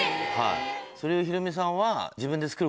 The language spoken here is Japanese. それをヒロミさんは。